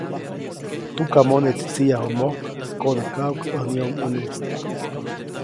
Tukamoneʼtsi tsiʼyaju mojk koʼdäjkajuʼk ʼäj nyomʼune.